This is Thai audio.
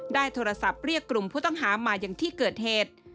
ได้โทรศัพท์เรียกกลุ่มผู้ต้องหามาอย่างที่เกิดเหตุ